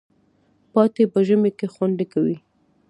پاتې په ژمي کی خوندکوی